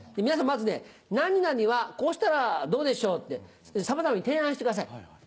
皆さんまず「何々はこうしたらどうでしょう」ってさまざまに提案してください。